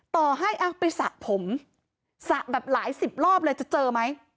ต่อให้เอาไปสระผมสระแบบหลายสิบรอบเลยจะเจอไหม